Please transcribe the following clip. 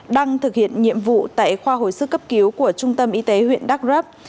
đang thực hiện nhiệm vụ tại khoa hội sức cấp cứu của trung tâm y tế huyện đắk rớp